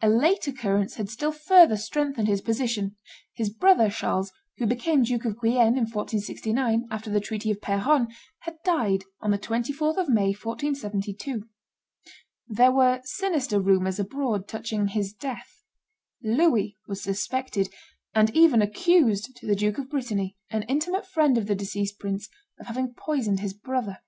A late occurrence had still further strengthened his position: his brother Charles, who became Duke of Guienne, in 1469, after the treaty of Peronne, had died on the 24th of May, 1472. There were sinister rumors abroad touching his death. Louis was suspected, and even accused to the Duke of Brittany, an intimate friend of the deceased prince, of having poisoned his brother.